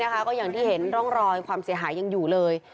ก็อย่างที่เห็นร่องรอยความเสียหายยังอยู่เลย